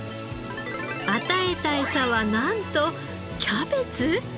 与えたエサはなんとキャベツ！？